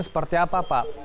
seperti apa pak